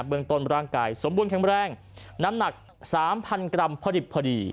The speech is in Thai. เมืองต้นร่างกายสมบูรณแข็งแรงน้ำหนัก๓๐๐กรัมพอดิบพอดี